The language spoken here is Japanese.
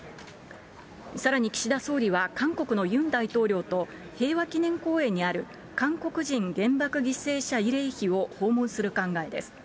さらに岸田総理は、韓国のユン大統領と、平和記念公園にある韓国人原爆犠牲者慰霊碑を訪問する考えです。